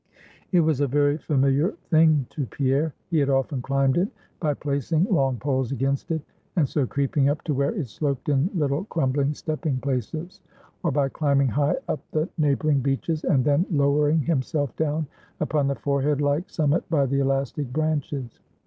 It was a very familiar thing to Pierre; he had often climbed it, by placing long poles against it, and so creeping up to where it sloped in little crumbling stepping places; or by climbing high up the neighboring beeches, and then lowering himself down upon the forehead like summit by the elastic branches.